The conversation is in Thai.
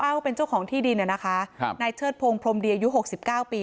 ก็เป็นเจ้าของที่ดินนะคะครับนายเชิดพงพรมดีอายุหกสิบเก้าปี